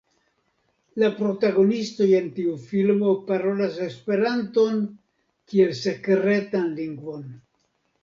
La protagonistoj en tiu filmo parolas Esperanton kiel sekretan lingvon.